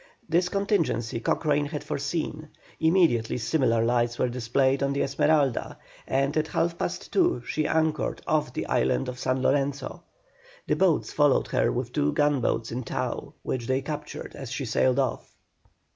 This contingency Cochrane had foreseen. Immediately similar lights were displayed on the Esmeralda, and at half past two she anchored off the island of San Lorenzo. The boats followed her with two gunboats in tow which they captured as she sailed off.